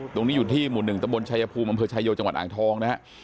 ตรงนี้อยู่ที่หมู่หนึ่งตมชายภูมิบำเภอชายโยจังหวัดอ่างทองนะฮะ